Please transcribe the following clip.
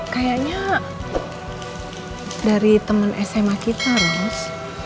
kayaknya dari temen sma kita ros